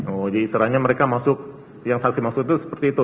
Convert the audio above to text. oh jadi istilahnya mereka masuk yang saksi maksud itu seperti itu